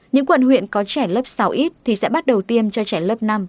những quận huyện có trẻ lớp sáu ít thì sẽ bắt đầu tiêm cho trẻ lớp năm